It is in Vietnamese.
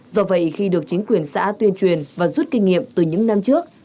do vậy khi được chính quyền xã tuyên truyền và rút kinh nghiệm từ những năm trước